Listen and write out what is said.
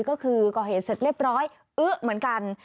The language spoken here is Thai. ก็คือก่อเหตุเสร็จเรียบร้อยอื้อเหมือนกัน